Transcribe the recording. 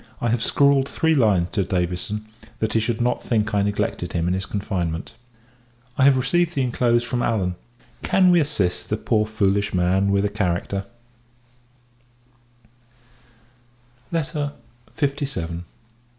I have scrawled three lines to Davison, that he should not think I neglected him in his confinement. I have received the inclosed from Allen. Can we assist the poor foolish man with a character? LETTER LVII.